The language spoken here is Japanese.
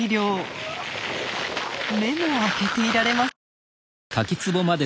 目も開けていられません。